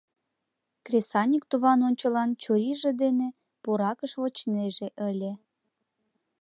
Кресаньык туван ончылан чурийже дене пуракыш вочнеже ыле.